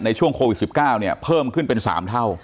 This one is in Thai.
ในช่วงโควิด๑๙เพิ่มขึ้นเป็น๓เท่า